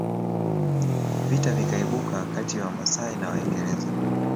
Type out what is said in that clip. Vita vikaibuka kati ya Wamasai na Waingereza